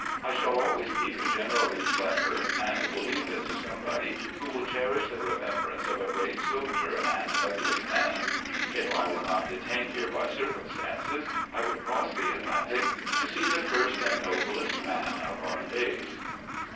I shall always keep General Lee's letter, and will leave it to somebody who will cherish the remembrance of a great soldier and a good man. If I were not detained here by circum stances, I would cross the Atlantic to see the first and noblest man of our days."